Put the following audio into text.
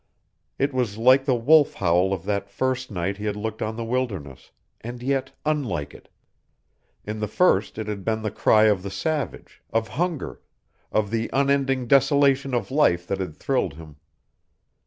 It was like the wolf howl of that first night he had looked on the wilderness, and yet unlike it; in the first it had been the cry of the savage, of hunger, of the unending desolation of life that had thrilled him.